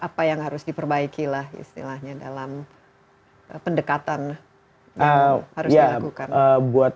apa yang harus diperbaiki lah istilahnya dalam pendekatan yang harus dilakukan